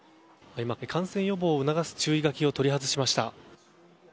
感染予防を促す注意書きを取り外しました。